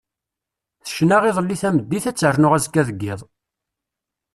Tecna iḍelli tameddit ad ternu azekka d yiḍ.